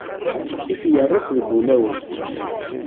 I tyerras deg ulawen.